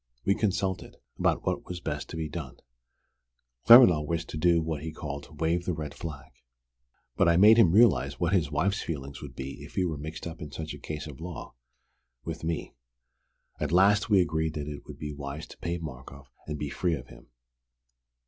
We consulted about what was best to be done. Claremanagh wished to do what he called 'wave the red flag.' But I made him realize what his wife's feelings would be if he were mixed up in such a case at law, with me. At last we agreed that it would be wise to pay Markoff and be free of him.